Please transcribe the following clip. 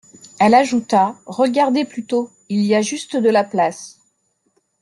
Elle ajouta : Regardez plutôt, il y a juste de la place.